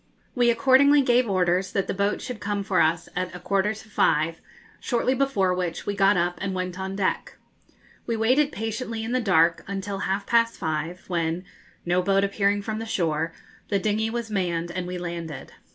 We accordingly gave orders that the boat should come for us at a quarter to five, shortly before which we got up and went on deck. We waited patiently in the dark until half past five, when, no boat appearing from the shore, the dingy was manned and we landed.